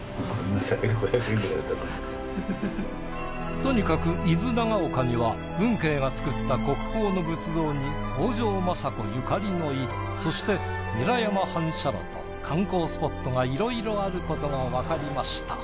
とにかく伊豆長岡には運慶が作った国宝の仏像に北条政子ゆかりの井戸そして韮山反射炉と観光スポットがいろいろあることがわかりました。